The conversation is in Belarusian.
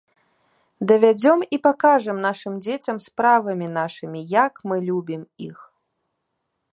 Давядзём і пакажам нашым дзецям справамі нашымі, як мы любім іх.